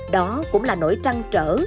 đó cũng là nỗi trăng trở